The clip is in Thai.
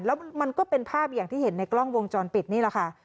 แล้วมันก็เป็นภาพอย่างที่เห็นในกล้องวงจรปิดนี่แหละค่ะ